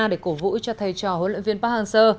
để cổ vũ cho thầy trò huấn luyện viên park hang seo